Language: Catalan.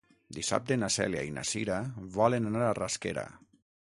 Dissabte na Cèlia i na Cira volen anar a Rasquera.